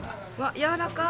やわらかい！